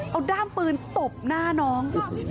เอาด้ามปืนตบหน้าน้อง